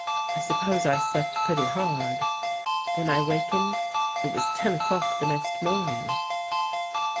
I suppose I slept pretty hard. When I wakened, it was ten o'clock the next morn ing."